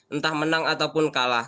entah menang ataupun kalah